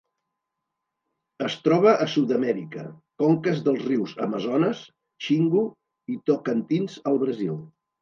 Es troba a Sud-amèrica: conques dels rius Amazones, Xingu i Tocantins al Brasil.